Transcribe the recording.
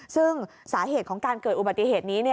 ซึ่งสาเหตุของการเกิดอุบัติเหตุนี้